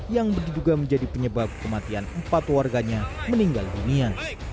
yang diduga menjadi penyebab kematian empat warganya meninggal dunia